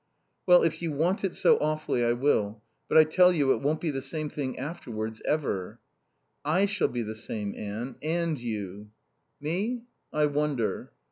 "Well, if you want it so awfully, I will. But I tell you it won't be the same thing, afterwards, ever." "I shall be the same, Anne. And you." "Me? I wonder."